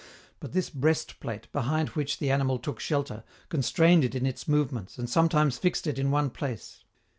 But this breast plate, behind which the animal took shelter, constrained it in its movements and sometimes fixed it in one place.